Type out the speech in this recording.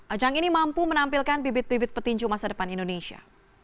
ajang ini mampu menampilkan bibit bibit petinju masa depan indonesia